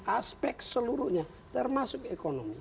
aspek seluruhnya termasuk ekonomi